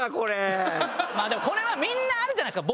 でもこれはみんなあるじゃないですか。